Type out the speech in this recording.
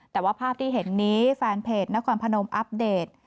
แต่ว่าภาพที่เห็นนี้แฟนเพจนครพนมอัปเดต